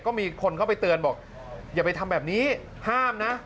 ก็มีคนเข้าไปเตือนบอกอย่าไปทำแบบนี้ห้ามนะ